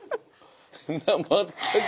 全く。